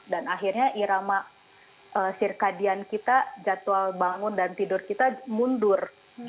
dan akhirnya irama sirkadian kita jadwal bangun dan tidur kita mundur